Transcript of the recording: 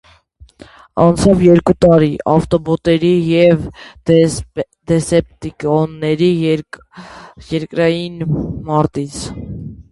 Անցավ երկու տարի ավտոբոտների և դեսեպտիկոնների երկրային մարտից։